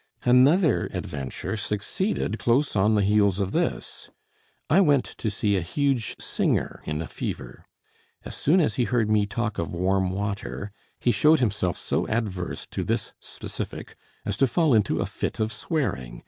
Another adventure succeeded close on the heels of this. I went to see a huge singer in a fever. As soon as he heard me talk of warm water, he showed himself so adverse to this specific as to fall into a fit of swearing.